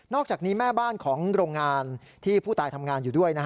อกจากนี้แม่บ้านของโรงงานที่ผู้ตายทำงานอยู่ด้วย